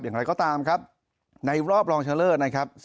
อย่างไรก็ตามครับในรอบรองชะเลิศนะครับ